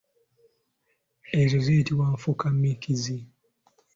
Ezo ziyitibwa nfukamikizi.